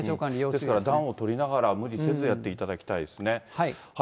ですからだんをとりながら無理せずやっていただきたいですね。